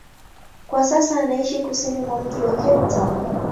Kwa sasa anaishi kusini mwa mji wa Cape Town.